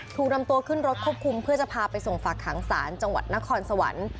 ถูกนำตัวขึ้นรถควบคุมเพื่อจะพาไปส่งฝากขังศาลจังหวัดนครสวรรค์